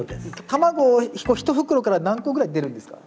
卵一袋から何個ぐらい出るんですか？